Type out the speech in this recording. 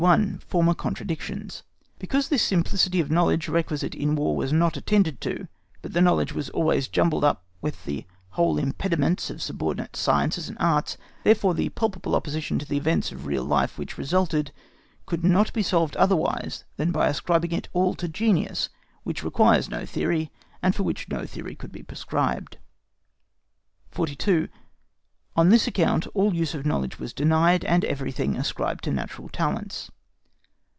FORMER CONTRADICTIONS. Because this simplicity of knowledge requisite in War was not attended to, but that knowledge was always jumbled up with the whole impedimenta of subordinate sciences and arts, therefore the palpable opposition to the events of real life which resulted could not be solved otherwise than by ascribing it all to genius, which requires no theory and for which no theory could be prescribed. 42. ON THIS ACCOUNT ALL USE OF KNOWLEDGE WAS DENIED, AND EVERYTHING ASCRIBED TO NATURAL TALENTS.